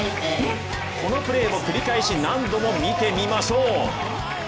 このプレーを繰り返し何度も見てみましょう。